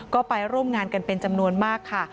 ก็ไปร่วมงานกันเป็นจำนวนมากค่ะ